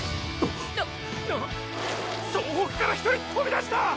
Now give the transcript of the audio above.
総北から１人とびだした！